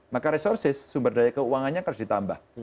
maka resources sumber daya keuangannya harus ditambah